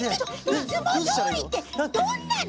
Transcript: いつもどおりってどんなの？